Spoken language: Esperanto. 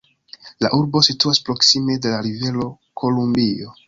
La urbo situas proksime de la Rivero Kolumbio.